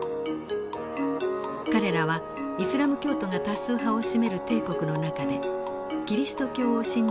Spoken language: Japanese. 彼らはイスラム教徒が多数派を占める帝国の中でキリスト教を信じる民族でした。